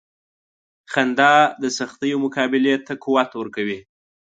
• خندا د سختیو مقابلې ته قوت ورکوي.